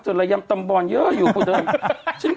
จนไร่อัมตำบลเยอะอยู่คุณเจ้า